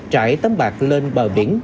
trải tấm bạc lên bờ biển